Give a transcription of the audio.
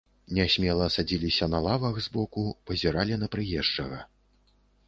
Нясмела садзіліся на лавах збоку, пазіралі на прыезджага.